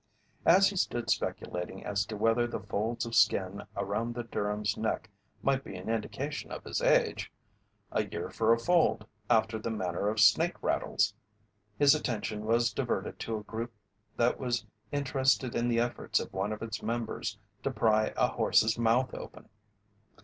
As he stood speculating as to whether the folds of skin around the Durham's neck might be an indication of his age a year for a fold, after the manner of snake rattles his attention was diverted to a group that was interested in the efforts of one of its members to pry a horse's mouth open.